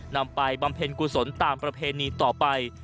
ไปบำเพ็ญกุศลตามประเพณีต่อไป